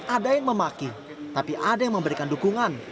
ada yang memaki tapi ada yang memberikan dukungan